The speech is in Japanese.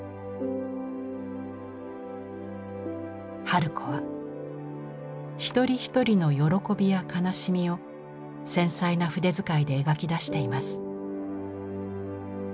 春子は一人一人の喜びや悲しみを繊細な筆遣いで描き出しています。